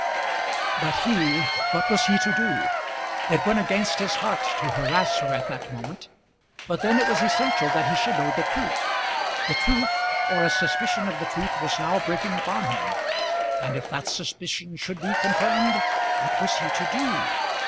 But he, what was he to do? It went against his heart to harass her at that moment; but then it was essential that he should know the truth. The truth, or a suspicion of the truth was now breaking upon him; and if that suspicion should be confirmed, what was he to do?